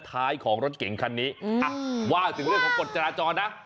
ท้ายของรถเก่งคันนี้ว่าถึงเรื่องของกฎจราจรนะ